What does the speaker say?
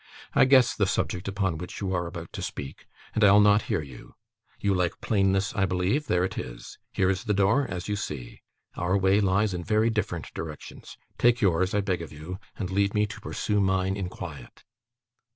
I guess the subject upon which you are about to speak, and I'll not hear you. You like plainness, I believe; there it is. Here is the door as you see. Our way lies in very different directions. Take yours, I beg of you, and leave me to pursue mine in quiet.